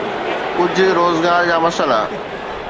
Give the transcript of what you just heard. ڪجهه روزگار جا مسئلا.